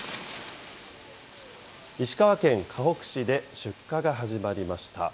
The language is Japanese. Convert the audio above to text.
石川県かほく市で出荷が始まりました。